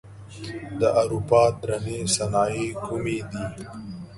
د اروپا درنې صنایع کومې دي؟